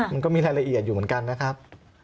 มันก็มีรายละเอียดอยู่เหมือนกันนะครับ